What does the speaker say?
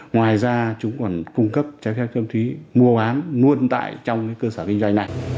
ngoài ra chúng còn cung cấp trái phép chất ma túy mua bán luôn tại trong cơ sở kinh doanh này